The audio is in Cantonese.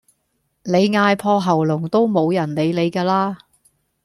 你嗌破喉嚨都無人理你咖啦